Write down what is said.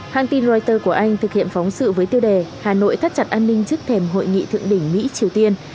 hãng tin reuters của anh thực hiện phóng sự với tiêu đề hà nội thắt chặt an ninh trước thềm hội nghị thượng đỉnh mỹ triều tiên